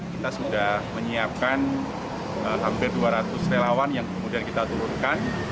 kita sudah menyiapkan hampir dua ratus relawan yang kemudian kita turunkan